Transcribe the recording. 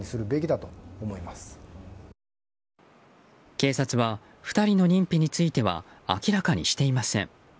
警察は、２人の認否については明らかにしていません。